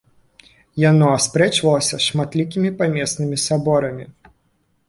Яно аспрэчвалася шматлікімі памеснымі саборамі.